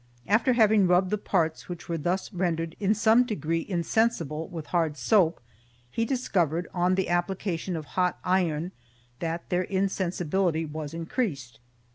After having rubbed the parts which were thus rendered in some degree insensible, with hard soap, he discovered, on the application of hot iron, that their insensibility was increased.